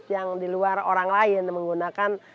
yang di luar orang lain menggunakan